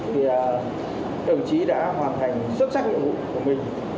thường trí đã hoàn thành xuất sắc nhiệm vụ của mình